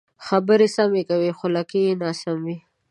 خبرې سمې کوې خو لکۍ یې ناسمې وي.